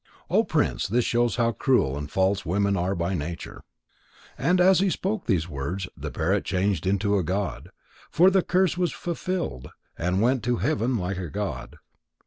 O Prince, this shows how cruel and false women are by nature. As he spoke these words, the parrot changed into a god, for the curse was fulfilled, and went to heaven like a god.